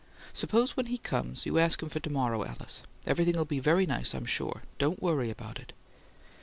Suppose when he comes you ask him for to morrow, Alice. Everything'll be very nice, I'm sure. Don't worry about it."